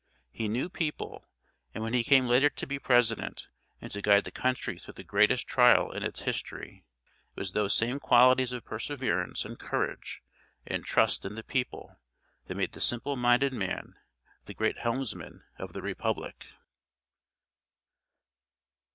He knew people, and when he came later to be President and to guide the country through the greatest trial in its history, it was those same qualities of perseverance and courage and trust in the people that made the simple minded man the great helmsman of the Republic.